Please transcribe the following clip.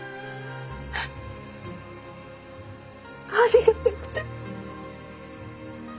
ありがたくて。